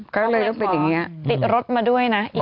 ก็เลยต้องเป็นอย่างนี้ติดรถมาด้วยนะ